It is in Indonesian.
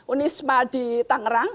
unisma di tangerang